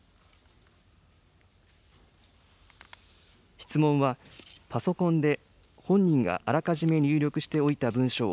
質問は、パソコンで本人があらかじめ入力しておいた文章を、